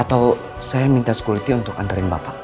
atau saya minta sekuriti untuk anterin bapak